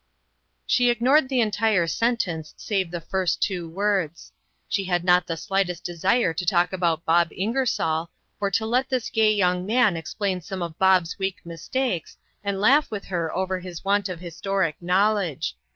She ignored the entire sentence, save the first two words. She had not the slightest desire to talk about Bob Ingersoll, or to let this gay young man explain some of Bob's weak mistakes, and laugh with her over his want of historic knowledge.